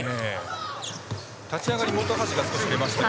立ち上がり本橋が少し出ましたが。